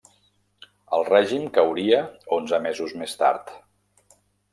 El règim cauria onze mesos més tard.